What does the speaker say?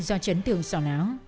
do chấn thương sọ náo